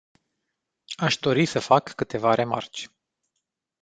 Aș dori să fac câteva remarci.